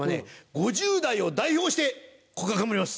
５０代を代表してここは頑張ります。